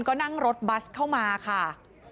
ก็นั่งรถบัสเข้ามาค่ะ